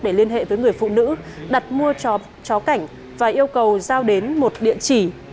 để liên hệ với người phụ nữ đặt mua chóp chó cảnh và yêu cầu giao đến một địa chỉ